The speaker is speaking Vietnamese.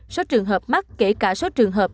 số trường hợp mắc kể cả số trường hợp